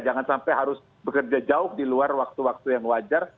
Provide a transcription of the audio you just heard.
jangan sampai harus bekerja jauh di luar waktu waktu yang wajar